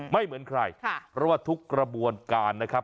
เหมือนใครเพราะว่าทุกกระบวนการนะครับ